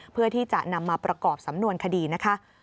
เพื่อที่จะนำมาประกอบสำนวนคดีนะคะ